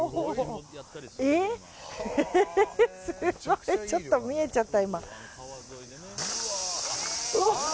すごい！ちょっと見えちゃった。